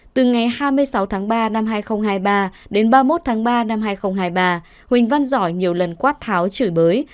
từ ngày hai mươi sáu tháng ba năm hai nghìn hai mươi ba đến ba mươi một tháng ba năm hai nghìn hai mươi ba huỳnh văn giỏi nhiều lần quát tháo chửi bới